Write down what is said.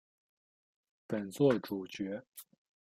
本作主角。